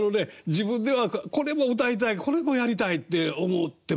自分ではこれも歌いたいこれもやりたいって思ってもね。